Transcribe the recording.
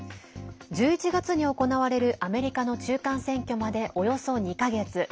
１１月に行われるアメリカの中間選挙までおよそ２か月。